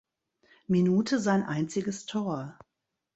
Minute sein einziges Tor.